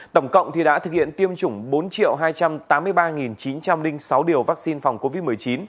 tổng cộng đã thực hiện tiêm chủng bốn hai trăm tám mươi ba chín trăm linh sáu liều vaccine phòng covid một mươi chín